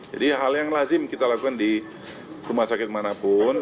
jadi hal yang lazim kita lakukan di rumah sakit manapun